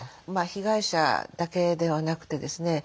被害者だけではなくてですね